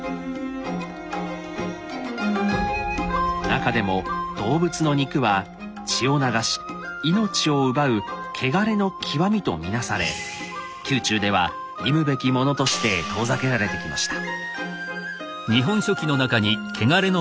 なかでも動物の肉は血を流し命を奪う「穢れの極み」と見なされ宮中では忌むべきものとして遠ざけられてきました。